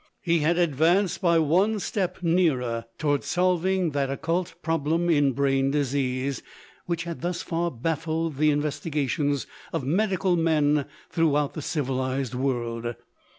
He had advanced by one step nearer towards solving that occult problem in brain disease, which had thus far baffled the investigations of medical men throughout the civilised world.